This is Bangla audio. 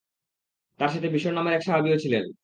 তাঁর সাথে বিশর নামে এক সাহাবীও ছিলেন।